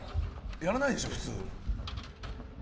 やらないでしょ普通。